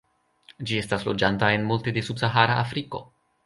Ĝi estas loĝanta en multe de subsahara Afriko.